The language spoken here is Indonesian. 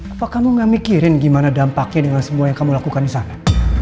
apakah kamu gak mikirin gimana dampaknya dengan semua yang kamu lakukan di sana